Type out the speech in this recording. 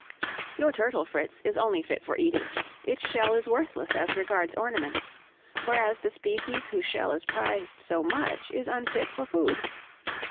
"Your turtle, Fritz, is only fit for eating, its shell is worthless as regards ornament; whereas the species whose shell is prized so much is unfit for food.